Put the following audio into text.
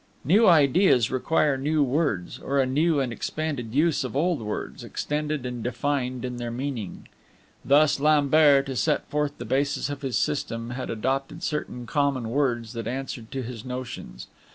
New ideas require new words, or a new and expanded use of old words, extended and defined in their meaning. Thus Lambert, to set forth the basis of his system, had adopted certain common words that answered to his notions.